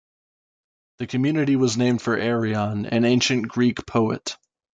The community was named for Arion, an ancient Greek poet.